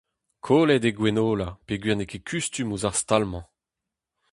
Kollet eo Gwenola peogwir n'eo ket kustum ouzh ar stal-mañ.